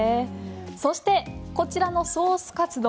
そしてこちらのソースカツ丼